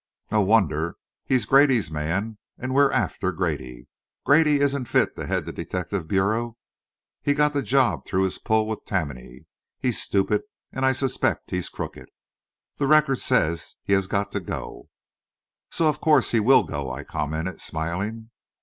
"No wonder. He's Grady's man, and we're after Grady. Grady isn't fit to head the detective bureau he got the job through his pull with Tammany he's stupid, and I suspect he's crooked. The Record says he has got to go." "So, of course, he will go," I commented, smiling.